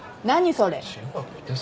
それ。